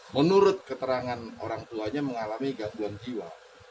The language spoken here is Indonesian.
menurut keterangan orang tuanya mengalami gangguan jiwa